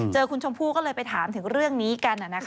เจอคุณชมพู่ก็เลยไปถามถึงเรื่องนี้กัน